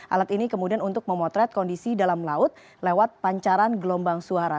alat ini kemudian untuk memotret kondisi dalam laut lewat pancaran gelombang suara